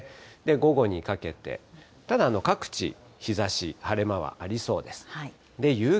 午後にかけて、ただ、各地、日ざし、晴れ間はありそうです。